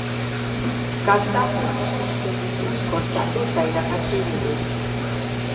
Kantak nola sortzen dituen kontatu eta irakatsi digu.